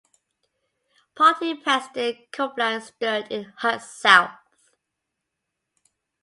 Party president Copeland stood in Hutt South.